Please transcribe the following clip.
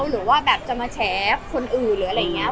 หรือว่าแบบจะมาแฉคนอื่นหรืออะไรอย่างนี้